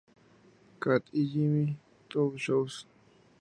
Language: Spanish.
Kat y Jimmy Two-Shoes.